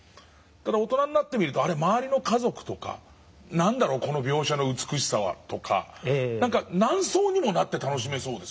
ただ大人になってみると周りの家族とか「何だろうこの描写の美しさは」とか何層にもなって楽しめそうですね。